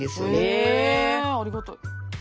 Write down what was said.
へえありがたい。